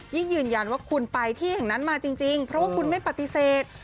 ยืนยันว่าคุณไปที่แห่งนั้นมาจริงเพราะว่าคุณไม่ปฏิเสธ